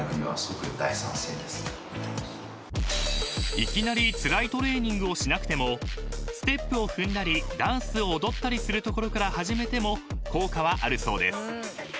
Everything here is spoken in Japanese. ［いきなりつらいトレーニングをしなくてもステップを踏んだりダンスを踊ったりするところから始めても効果はあるそうです］